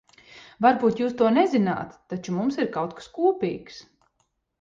Varbūt jūs to nezināt, taču mums ir kaut kas kopīgs.